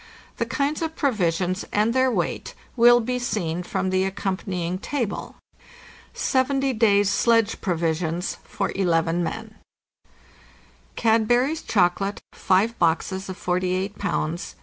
The kinds of provisions and their weight will be seen from the accompanying table : SEVENTY DAYS' SLEDGE PROVISIONS FOR ELEVEN MEN Pounds Cadbury's chocolate, 5 boxes of 48 pounds